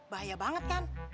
bahaya banget kan